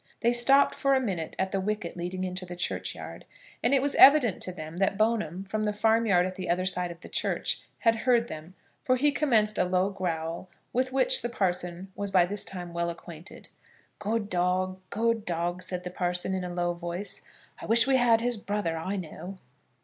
They stopped for a minute at the wicket leading into the churchyard, and it was evident to them that Bone'm, from the farmyard at the other side of the church, had heard them, for he commenced a low growl, with which the parson was by this time well acquainted. "Good dog, good dog," said the parson, in a low voice. "I wish we had his brother, I know."